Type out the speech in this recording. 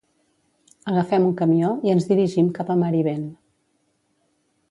Agafem un camió i ens dirigim cap a Marivent.